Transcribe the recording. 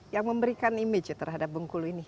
yang memberikan image terhadap bungkulu ini